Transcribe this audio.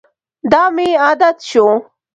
دا مې عادت شو.